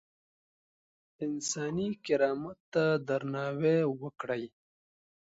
انساني کرامت ته درناوی وکړئ.